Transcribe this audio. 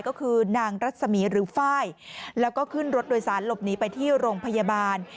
ก็คือนางรัศมีร์หรือไฟล์แล้วก็ขึ้นรถโดยสารหลบหนีไปที่โรงพยาบาล